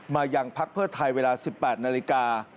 ยังพักเพื่อไทยเวลา๑๘นาฬิกา